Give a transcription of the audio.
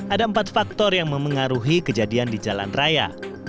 ada empat faktor yang memengaruhi kejadian di jalan raya